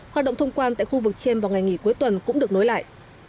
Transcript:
hoạt động thông quan tại khu vực chem vào ngày nghỉ cuối tuần cũng được nối lại